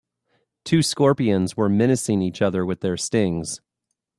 Two scorpions were menacing each other with their stings.